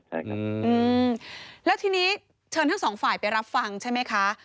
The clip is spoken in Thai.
อืมแล้วที่นี้เชิญทั้ง๒ฝ่ายไปรับฟังใช่ไหมคะ